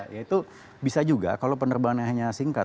itu bisa juga kalau penerbangan hanya singkat